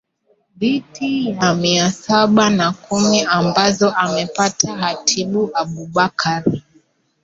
dhiti ya mia saba na kumi ambazo amepata hatibu abubakar